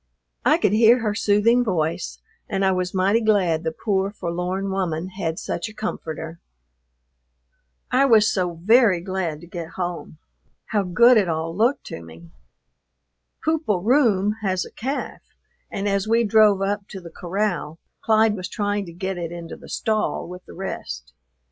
I could hear her soothing voice, and I was mighty glad the poor, forlorn woman had such a comforter. I was so very glad to get home. How good it all looked to me! "Poop o' Roome" has a calf, and as we drove up to the corral Clyde was trying to get it into the stall with the rest.